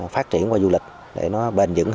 phát triển qua du lịch để nó bền dững hơn